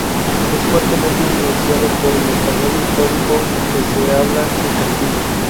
Es fuertemente influenciado por el español histórico que se habla en Castilla.